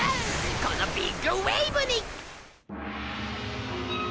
このビッグウェーブに。